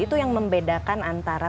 itu yang membedakan antara